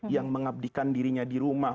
yang mengabdikan dirinya di rumah